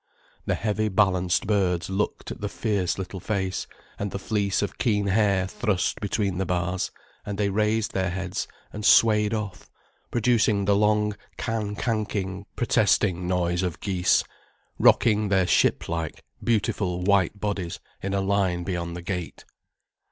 The heavy, balanced birds looked at the fierce little face and the fleece of keen hair thrust between the bars, and they raised their heads and swayed off, producing the long, can canking, protesting noise of geese, rocking their ship like, beautiful white bodies in a line beyond the gate.